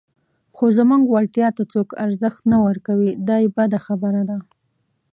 خو زموږ وړتیا ته څوک ارزښت نه ورکوي، دا یې بده خبره ده.